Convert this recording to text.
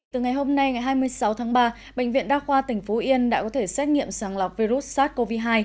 từ ngày hôm nay ngày hai mươi sáu tháng ba bệnh viện đa khoa tỉnh phú yên đã có thể xét nghiệm sàng lọc virus sars cov hai